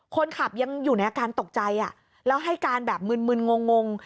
คนขับยังอยู่ในอาการตกใจแล้วให้การแบบมึนงง